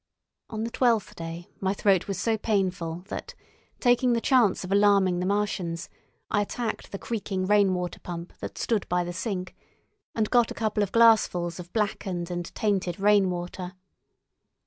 On the twelfth day my throat was so painful that, taking the chance of alarming the Martians, I attacked the creaking rain water pump that stood by the sink, and got a couple of glassfuls of blackened and tainted rain water.